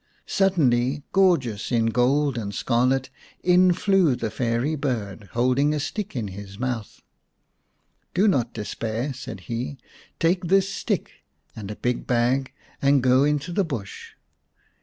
Suddenly, gorgeous in gold and scarlet, in flew the fairy bird holding a stick in his mouth. " Do not despair," said he. " Take this stick and a big bag and go into the bush.